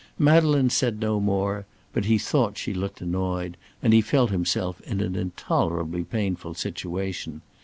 Madeleine said no more, but he thought she looked annoyed, and he felt himself in an intolerably painful situation.